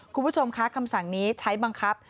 คุณผู้ชมคะคำสั่งนี้ใช้บังคับ